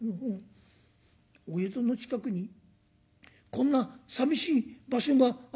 「お江戸の近くにこんなさみしい場所があるのかしら？